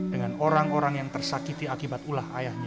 dengan orang orang yang tersakiti akibat ulah ayahnya